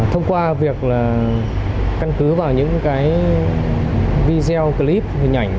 thông qua việc là căn cứ vào những cái video clip hình ảnh